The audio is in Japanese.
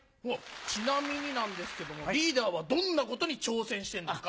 ちなみになんですけどもリーダーはどんなことに挑戦してるんですか？